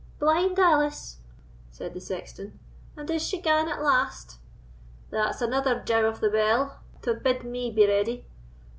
—blind Alice!" said the sexton; "and is she gane at last? that's another jow of the bell to bid me be ready.